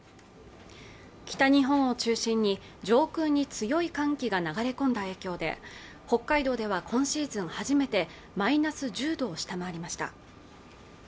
北日本を中心に上空に強い寒気が流れ込んだ影響で北海道では今シーズン初めてマイナス１０度を下回りました